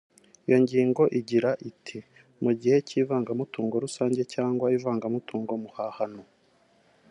Iyo ngingo igira iti “Mu gihe cy’ivangamutungo rusange cyangwa ivangamutungo w’umuhahano